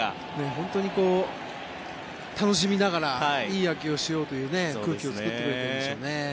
本当に、楽しみながらいい野球をしようという空気を作ってくれているんでしょうね。